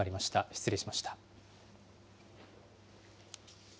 失礼しました。